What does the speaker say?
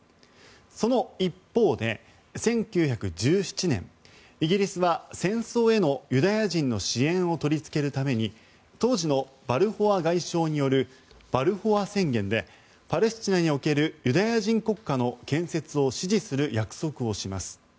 その一方で、１９１７年イギリスは戦争へのユダヤ人の支援を取りつけるために当時のバルフォア外相によるバルフォア宣言でパレスチナにおけるユダヤ人国家の建設を支持する約束をします。